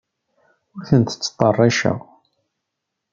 Ur ten-ttṭerriceɣ.